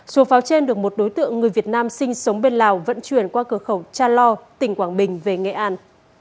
số pháo trên được một đối tượng người việt nam sinh sống bên lào vận chuyển qua cửa khẩu cha lo tỉnh quảng bình về nghệ an